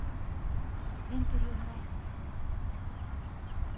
遠距離用のライフルですね。